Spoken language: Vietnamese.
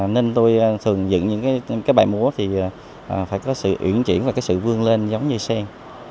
nên tôi thường dựng những cái bài muối thì phải có sự ưỡn chuyển và cái sự vương lên giống như sen